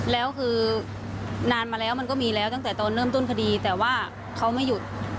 แล้วคือนานมาแล้วมันก็มีแล้วตั้งแต่ตอนเริ่มต้นคดีแต่ว่าเขาไม่หยุด